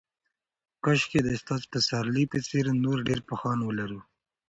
کاشکې د استاد پسرلي په څېر نور ډېر پوهان ولرو.